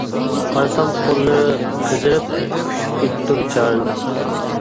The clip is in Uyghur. قارىسام قوللىرى قىزىرىپ ئۈششۈپ كېتىپتۇ بىچارىنىڭ.